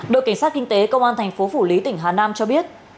đội cảnh sát kinh tế công an thành phố phủ lý tỉnh hà nam cho biết